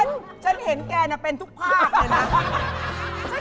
ฉันเห็นแกเป็นทุกภาคเลยนะ